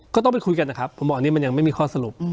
ก็ต้องไปคุยกันนะครับผมบอกอันนี้มันยังไม่มีข้อสรุป